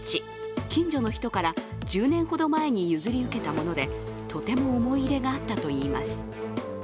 近所の人から、１０年ほど前に譲り受けたものでとても思い入れがあったといいます。